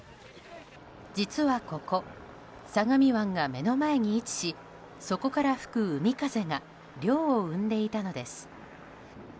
実はここ相模湾が目の前に位置しそこから吹く海風が涼を生んでいたのです。